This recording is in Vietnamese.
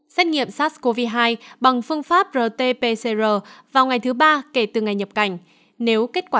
xét nghiệm sars cov hai bằng phương pháp rt pcr vào ngày thứ ba kể từ ngày nhập cảnh nếu kết quả